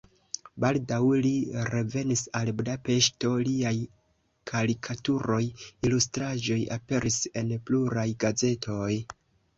Baldaŭ li revenis al Budapeŝto, liaj karikaturoj, ilustraĵoj aperis en pluraj gazetoj.